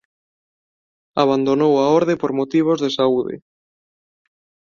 Abandonou a orde por motivos de saúde.